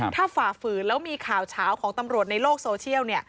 ถ้าฝ่าฝืนแล้วมีข่าวเฉาของตำรวจในโลกโซเชียล